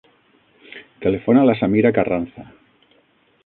Telefona a la Samira Carranza.